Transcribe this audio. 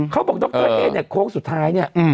บอกดรเอ๊เนี่ยโค้งสุดท้ายเนี่ย